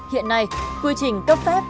hiện nay quy trình cấp phép